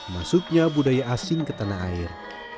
masuknya budaya asing ke tanah air